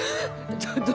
ちょっと何？